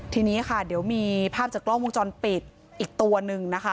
ทีนี้ค่ะเดี๋ยวมีภาพจากกล้องวงจรปิดอีกตัวหนึ่งนะคะ